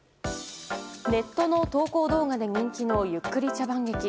ネットの投稿動画で人気の「ゆっくり茶番劇」。